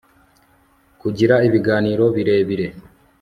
kugira ibiganiro birebire